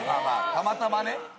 たまたまね。